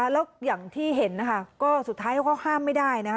แล้วอย่างที่เห็นนะคะก็สุดท้ายเขาก็ห้ามไม่ได้นะคะ